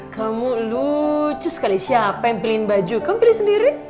kamu lucu sekali siapa yang pilihin baju kamu pilih sendiri